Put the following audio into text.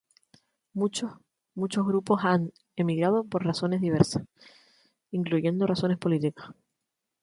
Muchos, muchos grupos han emigrado por diversas razones incluyendo razones políticas.